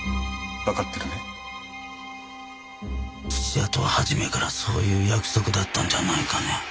屋とは初めからそういう約束だったんじゃないかね？